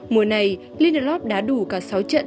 mùa này lindelof đã đủ cả sáu trận tại đấu trường